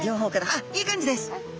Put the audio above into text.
あっいい感じです！